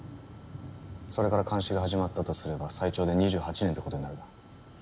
それから監視が始まったとすれば最長で２８年って事になるな。